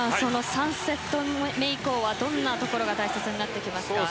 ３セット目以降はどんなところが大切になってきますか。